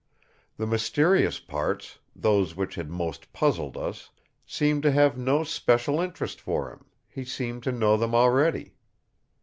The mysterious parts, those which had most puzzled us, seemed to have no special interest for him; he seemed to know them already.